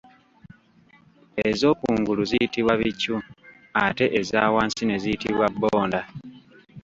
Ez'okungulu ziyitibwa bicu ate eza wansi ne ziyitibwa bbonda.